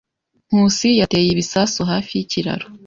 Nkusi yateye ibisasu hafi yikiraro.